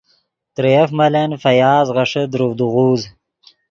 ترے یف ملن فیاض غیݰے دروڤدے غوز